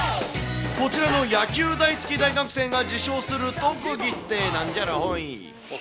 こちらの野球大好き大学生が自称する特技ってなんじゃらほい。